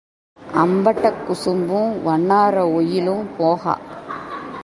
அம்பட்டக் குசும்பும் வண்ணார ஒயிலும் போகா.